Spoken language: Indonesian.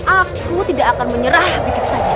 aku tidak akan menyerah sedikit saja